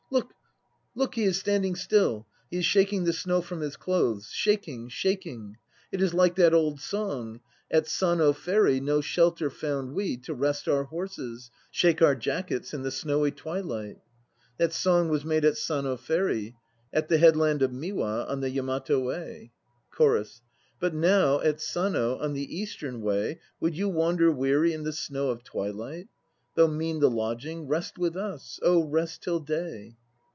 Look, look! He is standing still. He is shaking the snow from his clothes; shaking, shaking. It is like that old song: "At Sano Ferry No shelter found we To rest our horses, Shake our jackets, In the snowy twilight." That song was made at Sano Ferry, At the headland of Miwa on the Yamato Way. CHORUS. But now at Sano on the Eastern Way Would you wander weary in the snow of twilight? Though mean the lodging, Rest with us, oh rest till day!